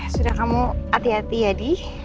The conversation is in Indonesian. sudah kamu hati hati ya di